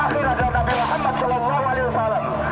terakhir adalah nabi muhammad saw